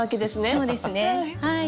そうですねはい。